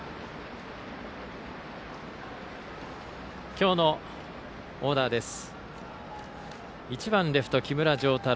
今日のオーダーです。